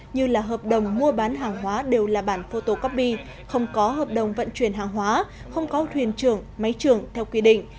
như là hợp đồng mua bán hàng hóa đều là bản photocopy không có hợp đồng vận chuyển hàng hóa không có thuyền trưởng máy trưởng theo quy định